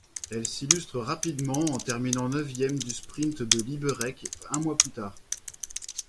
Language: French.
Elle s'llustre rapidement en terminant neuvième du sprint de Liberec un mois plus tard.